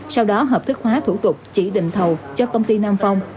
sau đó hợp thức hóa thủ tục chỉ định thầu cho công ty nam phong